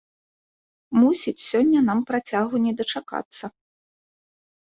Мусіць, сёння нам працягу не дачакацца.